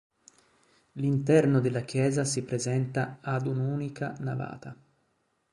L'interno della chiesa si presenta ad unica navata.